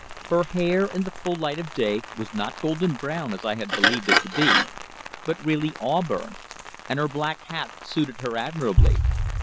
Her hair, in the full light of day, was not golden brown as I had believed it to be, but really auburn, and her black hat suited her admirably.